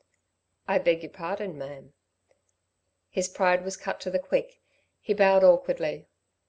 "I beg your pardon, ma'am." His pride was cut to the quick; he bowed, awkwardly.